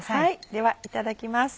ではいただきます。